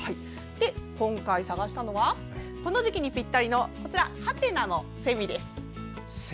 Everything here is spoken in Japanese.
今回、探したのはこの時期にぴったりの？のセミです。